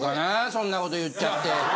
そんなこと言っちゃって。